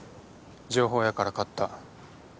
情報屋から買った。